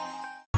masih gak bisa